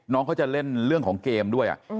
น้องเขาจะเล่นเรื่องของเกมด้วย